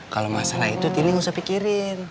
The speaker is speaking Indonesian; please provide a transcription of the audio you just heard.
kalau masalah itu tin nih gak usah pikirin